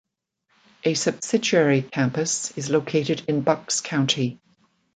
A subsidiary campus is located in Bucks County.